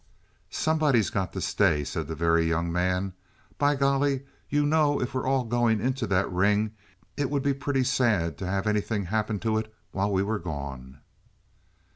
"Somebody's got to stay," said the Very Young Man. "By golly, you know if we're all going into that ring it would be pretty sad to have anything happen to it while we were gone."